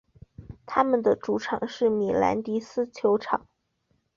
他们的主场是米兰迪斯球场。